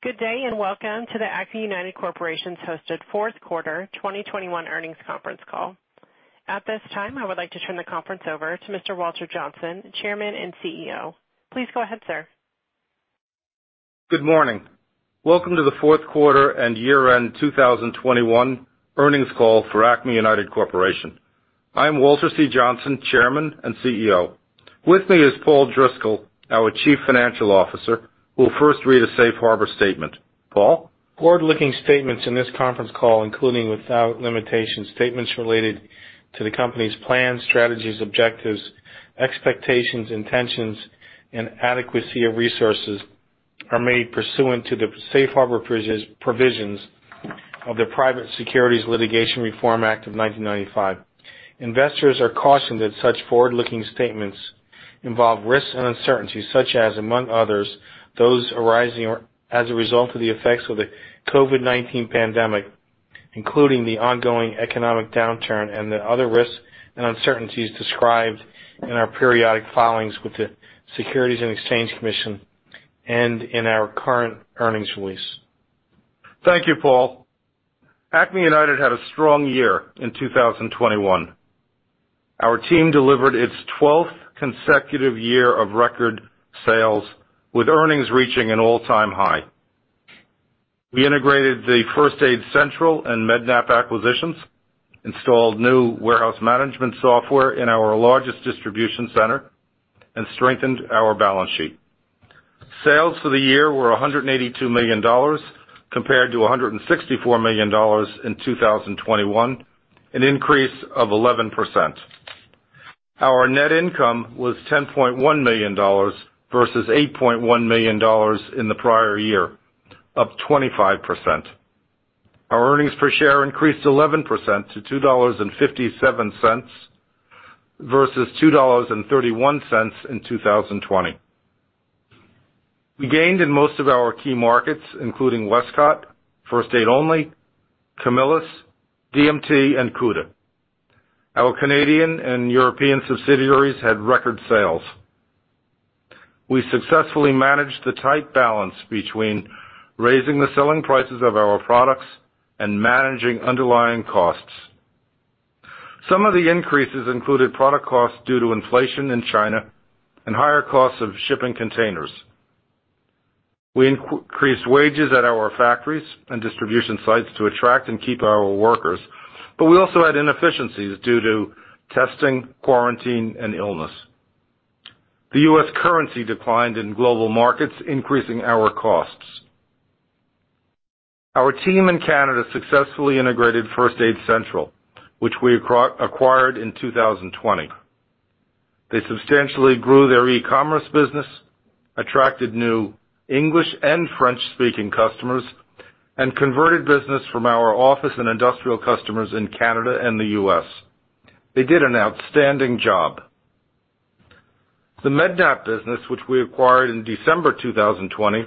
Good day, and welcome to the Acme United Corporation's hosted fourth quarter 2021 earnings conference call. At this time, I would like to turn the conference over to Mr. Walter C. Johnsen, Chairman and CEO. Please go ahead, sir. Good morning. Welcome to the fourth quarter and year-end 2021 earnings call for Acme United Corporation. I'm Walter C. Johnsen, Chairman and CEO. With me is Paul Driscoll, our Chief Financial Officer, who will first read a safe harbor statement. Paul? Forward-looking statements in this conference call, including without limitation, statements related to the company's plans, strategies, objectives, expectations, intentions, and adequacy of resources, are made pursuant to the safe harbor provisions of the Private Securities Litigation Reform Act of 1995. Investors are cautioned that such forward-looking statements involve risks and uncertainties such as, among others, those arising or as a result of the effects of the COVID-19 pandemic, including the ongoing economic downturn and the other risks and uncertainties described in our periodic filings with the Securities and Exchange Commission and in our current earnings release. Thank you, Paul. Acme United had a strong year in 2021. Our team delivered its twelfth consecutive year of record sales, with earnings reaching an all-time high. We integrated the First Aid Central and Med-Nap acquisitions, installed new warehouse management software in our largest distribution center, and strengthened our balance sheet. Sales for the year were $182 million compared to $164 million in 2020, an increase of 11%. Our net income was $10.1 million versus $8.1 million in the prior year, up 25%. Our earnings per share increased 11% to $2.57 versus $2.31 in 2020. We gained in most of our key markets, including Westcott, First Aid Only, Camillus, DMT, and Cuda. Our Canadian and European subsidiaries had record sales. We successfully managed the tight balance between raising the selling prices of our products and managing underlying costs. Some of the increases included product costs due to inflation in China and higher costs of shipping containers. We increased wages at our factories and distribution sites to attract and keep our workers, but we also had inefficiencies due to testing, quarantine, and illness. The U.S. currency declined in global markets, increasing our costs. Our team in Canada successfully integrated First Aid Central, which we acquired in 2020. They substantially grew their e-commerce business, attracted new English and French-speaking customers, and converted business from our office and industrial customers in Canada and the U.S. They did an outstanding job. The Med-Nap business, which we acquired in December 2020,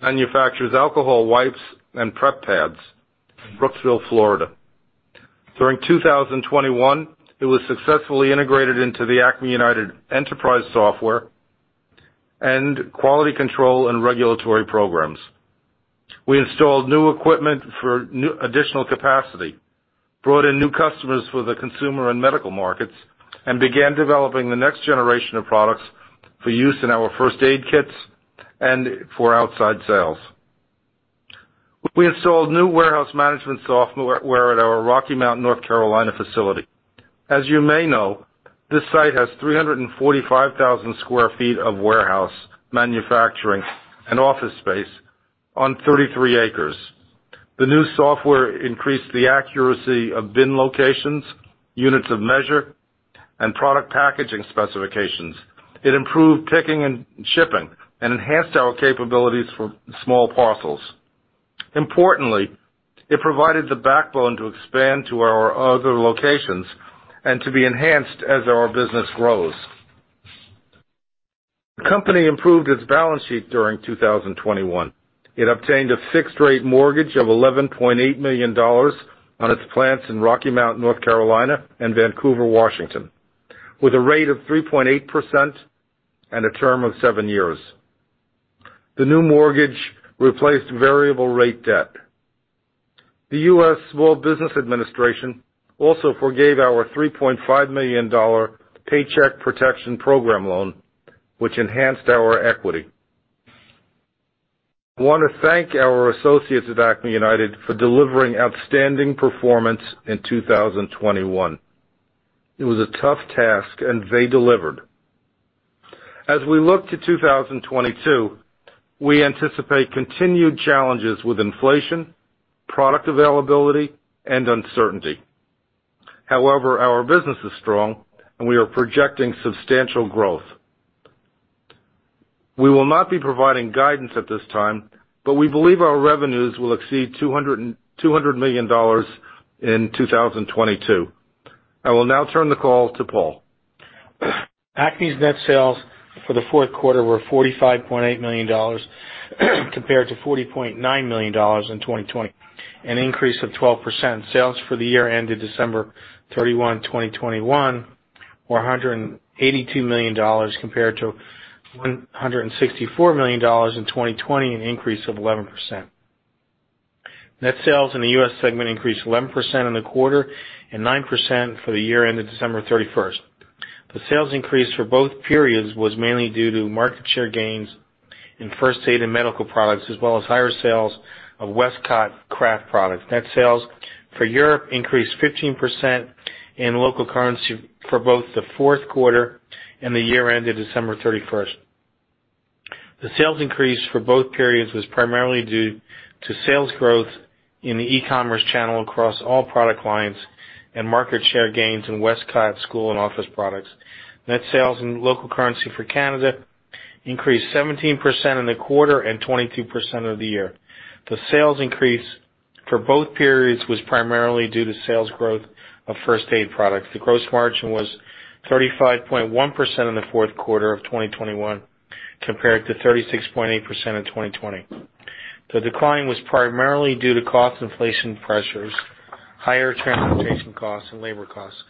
manufactures alcohol wipes and prep pads in Brooksville, Florida. During 2021, it was successfully integrated into the Acme United enterprise software and quality control and regulatory programs. We installed new equipment for new additional capacity, brought in new customers for the consumer and medical markets, and began developing the next generation of products for use in our first aid kits and for outside sales. We installed new warehouse management software at our Rocky Mount, North Carolina facility. As you may know, this site has 345,000 sq ft of warehouse, manufacturing, and office space on 33 acres. The new software increased the accuracy of bin locations, units of measure, and product packaging specifications. It improved picking and shipping and enhanced our capabilities for small parcels. Importantly, it provided the backbone to expand to our other locations and to be enhanced as our business grows. The company improved its balance sheet during 2021. It obtained a fixed rate mortgage of $11.8 million on its plants in Rocky Mount, North Carolina, and Vancouver, Washington, with a rate of 3.8% and a term of seven years. The new mortgage replaced variable rate debt. The U.S. Small Business Administration also forgave our $3.5 million Paycheck Protection Program loan, which enhanced our equity. I want to thank our associates at Acme United for delivering outstanding performance in 2021. It was a tough task, and they delivered. As we look to 2022, we anticipate continued challenges with inflation, product availability, and uncertainty. However, our business is strong, and we are projecting substantial growth. We will not be providing guidance at this time, but we believe our revenues will exceed $200 million in 2022. I will now turn the call to Paul. Acme's net sales for the fourth quarter were $45.8 million compared to $40.9 million in 2020, an increase of 12%. Sales for the year ended December 31, 2021, a $182 million compared to $164 million in 2020, an increase of 11%. Net sales in the U.S. segment increased 11% in the quarter and 9% for the year ended December 31. The sales increase for both periods was mainly due to market share gains in first aid and medical products, as well as higher sales of Westcott craft products. Net sales for Europe increased 15% in local currency for both the fourth quarter and the year ended December 31. The sales increase for both periods was primarily due to sales growth in the e-commerce channel across all product lines and market share gains in Westcott school and office products. Net sales in local currency for Canada increased 17% in the quarter and 22% of the year. The sales increase for both periods was primarily due to sales growth of first aid products. The gross margin was 35.1% in the fourth quarter of 2021, compared to 36.8% in 2020. The decline was primarily due to cost inflation pressures, higher transportation costs and labor costs.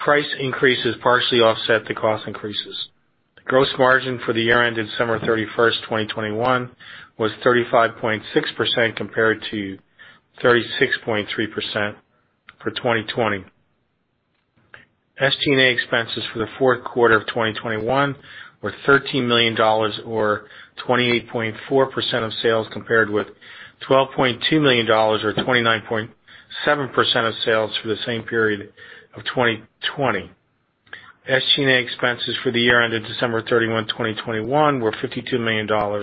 Price increases partially offset the cost increases. The gross margin for the year ended December 31, 2021 was 35.6% compared to 36.3% for 2020. SG&A expenses for the fourth quarter of 2021 were $13 million or 28.4% of sales, compared with $12.2 million or 29.7% of sales for the same period of 2020. SG&A expenses for the year ended December 31, 2021 were $52 million or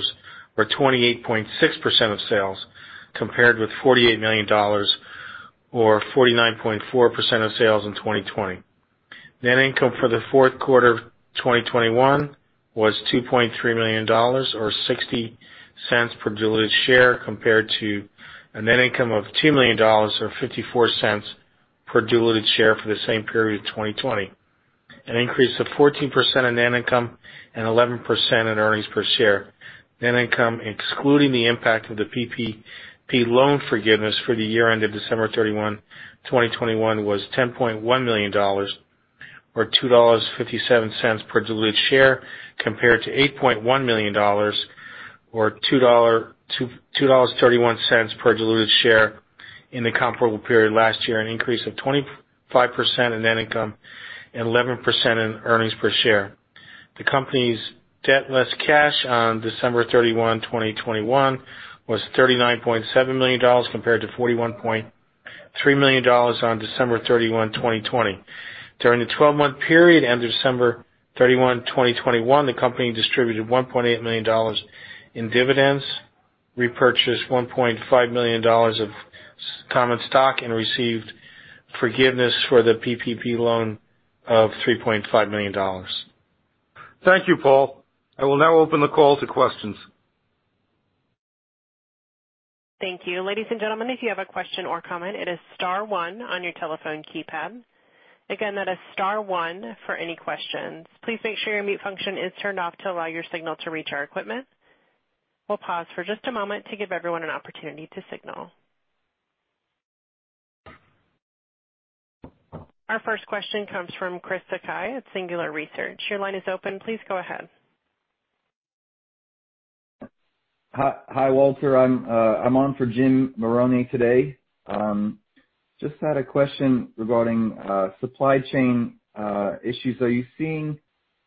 28.6% of sales, compared with $48 million or 49.4% of sales in 2020. Net income for the fourth quarter of 2021 was $2.3 million or $0.60 per diluted share compared to a net income of $2 million or $0.54 per diluted share for the same period of 2020, an increase of 14% in net income and 11% in earnings per share. Net income, excluding the impact of the PPP loan forgiveness for the year ended December 31, 2021 was $10.1 million or $2.57 per diluted share, compared to $8.1 million or $2.31 per diluted share in the comparable period last year, an increase of 25% in net income and 11% in earnings per share. The company's debt less cash on December 31, 2021 was $39.7 million compared to $41.3 million on December 31, 2020. During the twelve-month period ended December 31, 2021, the company distributed $1.8 million in dividends, repurchased $1.5 million of common stock and received forgiveness for the PPP loan of $3.5 million. Thank you, Paul. I will now open the call to questions. Thank you. Ladies and gentlemen, if you have a question or comment, it is star one on your telephone keypad. Again, that is star one for any questions. Please make sure your mute function is turned off to allow your signal to reach our equipment. We'll pause for just a moment to give everyone an opportunity to signal. Our first question comes from Christopher Sakai at Singular Research. Your line is open. Please go ahead. Hi, Walter. I'm on for Jim Marrone today. Just had a question regarding supply chain issues. Are you seeing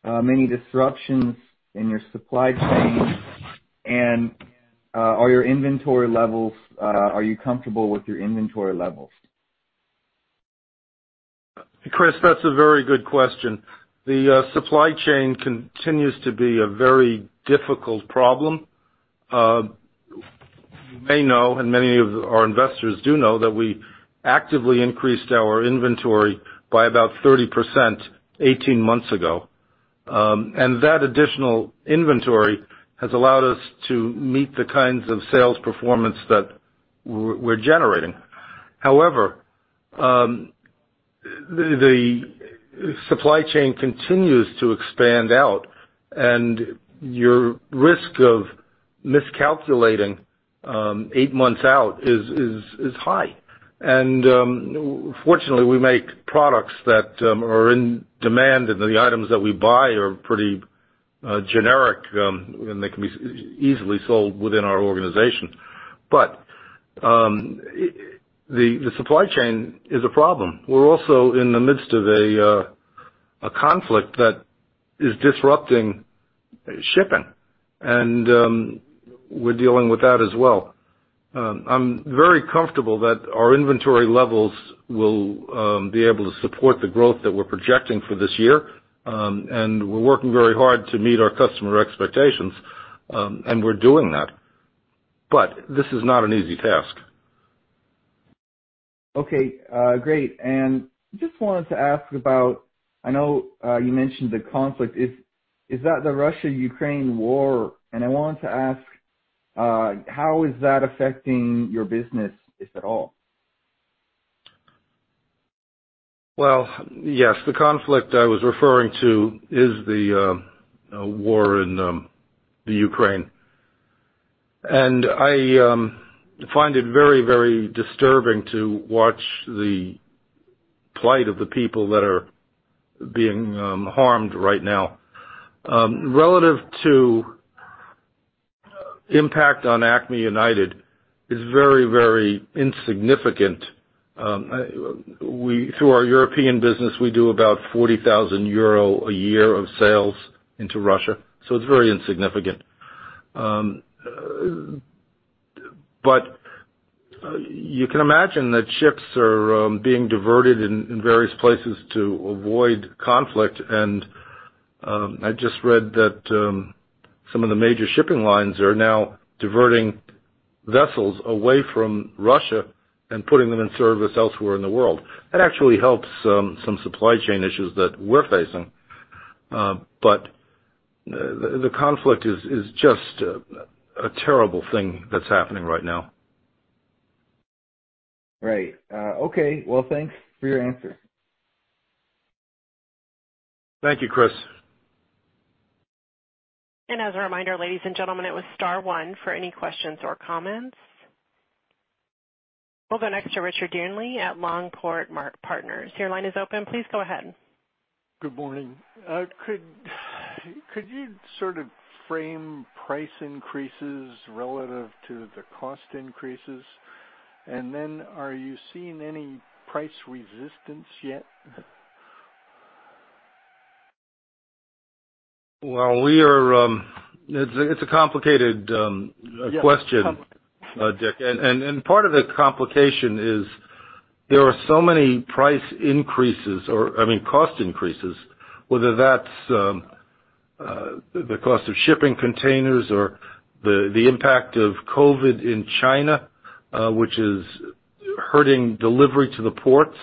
many disruptions in your supply chain? Are you comfortable with your inventory levels? Chris, that's a very good question. The supply chain continues to be a very difficult problem. You may know, and many of our investors do know, that we actively increased our inventory by about 30% 18 months ago. That additional inventory has allowed us to meet the kinds of sales performance that we're generating. However, the supply chain continues to expand out, and your risk of miscalculating 8 months out is high. Fortunately, we make products that are in demand, and the items that we buy are pretty generic, and they can be easily sold within our organization. The supply chain is a problem. We're also in the midst of a conflict that is disrupting shipping, and we're dealing with that as well. I'm very comfortable that our inventory levels will be able to support the growth that we're projecting for this year. We're working very hard to meet our customer expectations, and we're doing that. This is not an easy task. Okay. Great. Just wanted to ask about, I know, you mentioned the conflict. Is that the Russia-Ukraine war? I wanted to ask how is that affecting your business, if at all? Well, yes, the conflict I was referring to is the war in the Ukraine. I find it very, very disturbing to watch the plight of the people that are being harmed right now. Relative to impact on Acme United is very, very insignificant. Through our European business, we do about 40,000 euro a year of sales into Russia, so it's very insignificant. You can imagine that ships are being diverted in various places to avoid conflict. I just read that some of the major shipping lines are now diverting vessels away from Russia and putting them in service elsewhere in the world. That actually helps some supply chain issues that we're facing. The conflict is just a terrible thing that's happening right now. Right. Okay. Well, thanks for your answer. Thank you, Chris. As a reminder, ladies and gentlemen, it's star one for any questions or comments. We'll go next to Richard Dearnley at Longport Partners. Your line is open. Please go ahead. Good morning. Could you sort of frame price increases relative to the cost increases? Are you seeing any price resistance yet? It's a complicated question, Dick. Part of the complication is there are so many price increases or, I mean, cost increases, whether that's the cost of shipping containers or the impact of COVID in China, which is hurting delivery to the ports,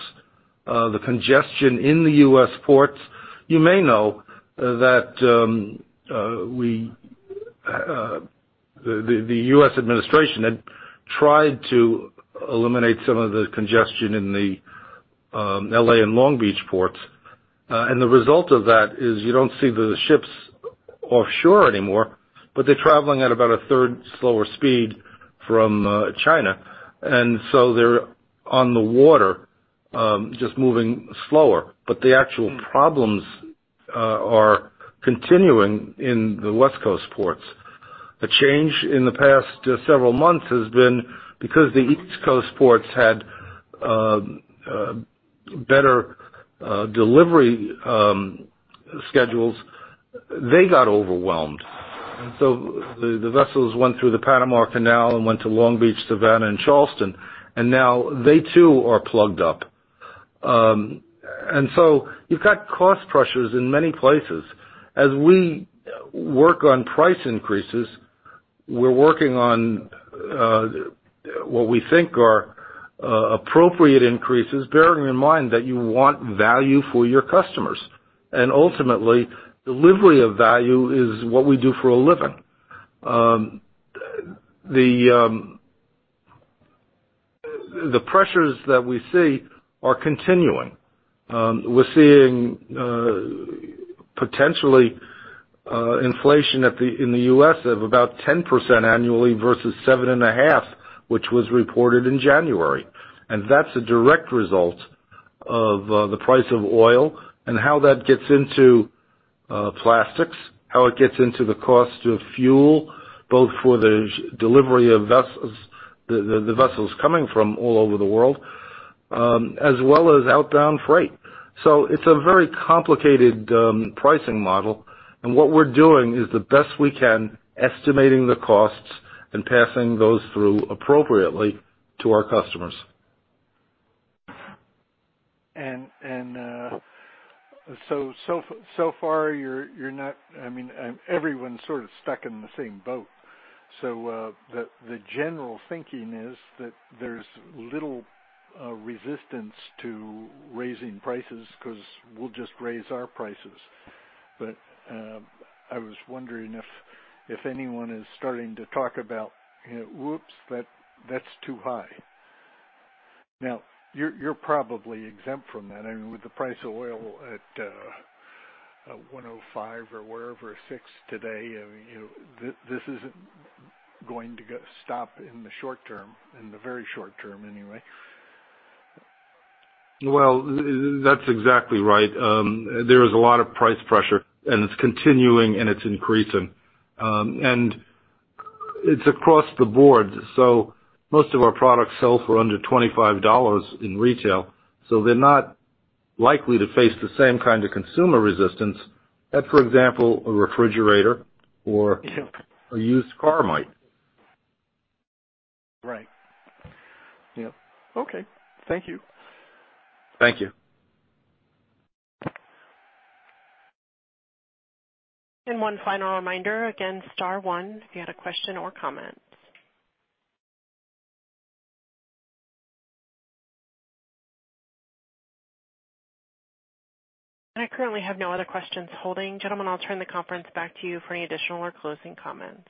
the congestion in the U.S. ports. You may know that the U.S. administration had tried to eliminate some of the congestion in the L.A. and Long Beach ports. The result of that is you don't see the ships offshore anymore, but they're traveling at about a third slower speed from China. They're on the water just moving slower. The actual problems are continuing in the West Coast ports. A change in the past several months has been because the East Coast ports had better delivery schedules, they got overwhelmed. The vessels went through the Panama Canal and went to Long Beach, Savannah and Charleston, and now they too are plugged up. You've got cost pressures in many places. As we work on price increases, we're working on what we think are appropriate increases, bearing in mind that you want value for your customers. Ultimately, delivery of value is what we do for a living. The pressures that we see are continuing. We're seeing potentially inflation in the U.S. of about 10% annually versus 7.5, which was reported in January. That's a direct result of the price of oil and how that gets into plastics, how it gets into the cost of fuel, both for the delivery of vessels, the vessels coming from all over the world, as well as outbound freight. It's a very complicated pricing model, and what we're doing is the best we can, estimating the costs and passing those through appropriately to our customers. So far, you're not. I mean, everyone's sort of stuck in the same boat. The general thinking is that there's little resistance to raising prices because we'll just raise our prices. I was wondering if anyone is starting to talk about, you know, whoops, that's too high. Now, you're probably exempt from that. I mean, with the price of oil at $105 or wherever $106 today, I mean, you know, this isn't going to stop in the short term, in the very short term anyway. Well, that's exactly right. There is a lot of price pressure, and it's continuing and it's increasing. It's across the board. Most of our products sell for under $25 in retail, so they're not likely to face the same kind of consumer resistance that, for example, a refrigerator or Yeah ....a used car might. Right. Yeah. Okay. Thank you. Thank you. One final reminder, again, star one if you had a question or comment. I currently have no other questions holding. Gentlemen, I'll turn the conference back to you for any additional or closing comments.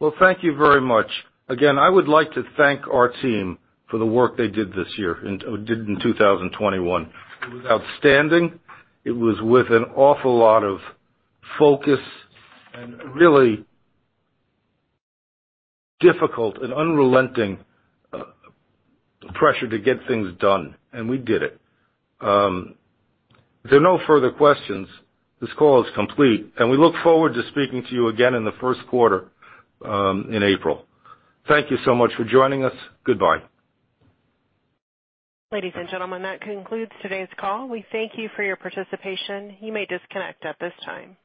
Well, thank you very much. Again, I would like to thank our team for the work they did this year or did in 2021. It was outstanding. It was with an awful lot of focus and really difficult and unrelenting pressure to get things done, and we did it. If there are no further questions, this call is complete, and we look forward to speaking to you again in the first quarter in April. Thank you so much for joining us. Goodbye. Ladies and gentlemen, that concludes today's call. We thank you for your participation. You may disconnect at this time.